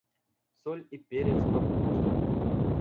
Соль и перец по вкусу.